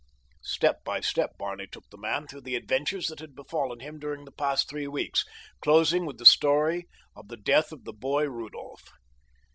Step by step Barney took the man through the adventures that had befallen him during the past three weeks, closing with the story of the death of the boy, Rudolph.